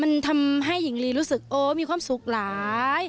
มันทำให้หญิงลีรู้สึกโอ้มีความสุขหลาย